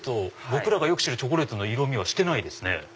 僕らがよく知るチョコレートの色みはしてないですね。